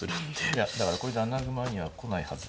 いやだからこれで穴熊には来ないはず。